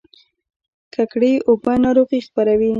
ککړې اوبه ناروغي خپروي